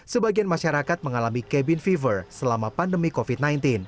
sebagian masyarakat mengalami cabin fever selama pandemi covid sembilan belas